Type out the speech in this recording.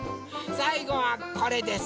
さいごはこれです。